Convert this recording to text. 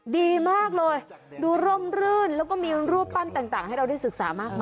ดีมากเลยดูร่มรื่นแล้วก็มีรูปปั้นต่างให้เราได้ศึกษามากมาย